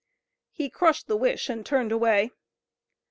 He crushed the wish and turned away.